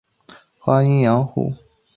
张先松。